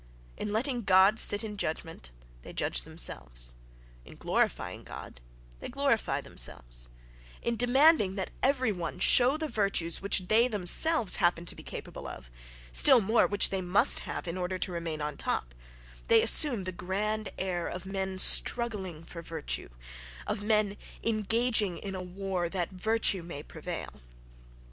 In letting God sit in judgment they judge themselves; in glorifying God they glorify themselves; in demanding that every one show the virtues which they themselves happen to be capable of—still more, which they must have in order to remain on top—they assume the grand air of men struggling for virtue, of men engaging in a war that virtue may prevail.